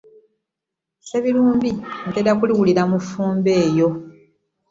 Ssebirumbi ntera kuliwulira mu Ffumbe eyo.